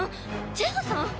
ジェフさん！？